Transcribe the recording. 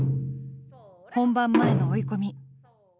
本番前の追い込み。